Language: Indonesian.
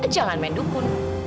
jangan main dukun